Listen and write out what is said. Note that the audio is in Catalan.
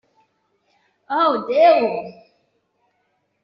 Oh, Déu!